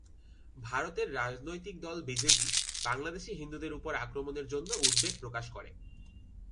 ভারতের রাজনৈতিক দল বিজেপি, বাংলাদেশে হিন্দুদের উপর আক্রমণের জন্য উদ্বেগ প্রকাশ করে।